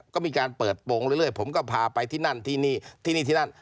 ก็มีการเปิดโปรงเรื่อยผมก็พาไปที่นั่นที่นี่ที่นี่ที่นั่น